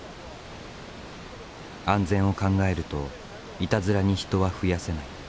安全を考えるといたずらに人は増やせない。